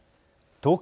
東京